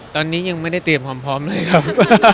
ตอนนี้ยังไม่ได้เตรียมความพร้อมเลยครับ